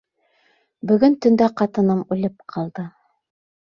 — Бөгөн төндә ҡатыным үлеп ҡалды.